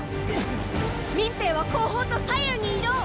民兵は後方と左右に移動！